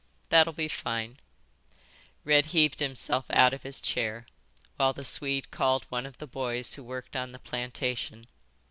"That'll be fine." Red heaved himself out of his chair, while the Swede called one of the boys who worked on the plantation.